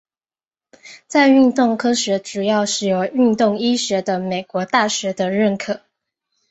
在运动科学主要是由运动医学的美国大学的认可。